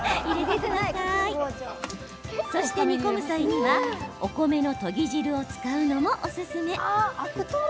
そして、煮込む際にはお米のとぎ汁を使うのもおすすめ。